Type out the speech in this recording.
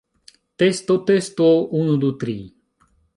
Testo testo, unu, du, tri.